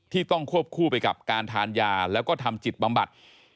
ต้องควบคู่ไปกับการทานยาแล้วก็ทำจิตบำบัด